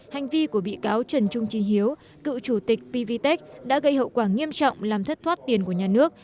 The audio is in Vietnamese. hành vi của bị cáo trần trung trí hiếu cựu chủ tịch pvtec đã gây hậu quả nghiêm trọng làm thất thoát tiền của nhà nước